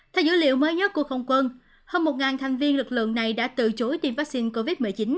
theo dữ liệu mới nhất của không quân hơn một thành viên lực lượng này đã từ chối tiêm vaccine covid một mươi chín